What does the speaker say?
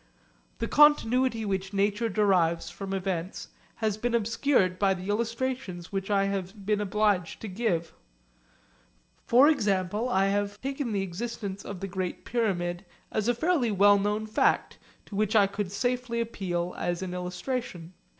The continuity which nature derives from events has been obscured by the illustrations which I have been obliged to give. For example I have taken the existence of the Great Pyramid as a fairly well known fact to which I could safely appeal as an illustration.